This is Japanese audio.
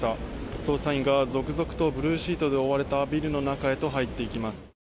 捜査員が続々とブルーシートで覆われたビルの中へと入っていきます。